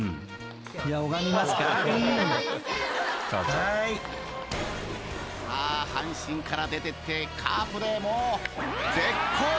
［さあ阪神から出てってカープでもう絶好調！］